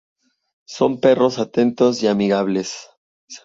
Son perros atentos y amigables.